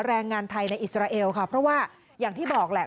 แรงงานไทยในอิสราเอลค่ะเพราะว่าอย่างที่บอกแหละ